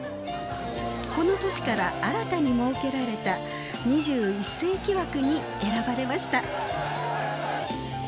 この年から新たに設けられた２１世紀枠に選ばれました。